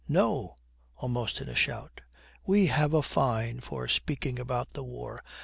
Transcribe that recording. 'No,' almost in a shout. 'We have a fine for speaking about the war.